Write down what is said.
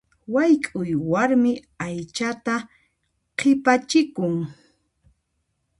Wayk'uq warmi aychata qhipachikun.